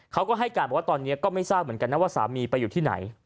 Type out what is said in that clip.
เขาก็ให้การบอกว่าตอนนี้ก็ไม่ทราบเหมือนกันนะว่าสามีไปอยู่ที่ไหน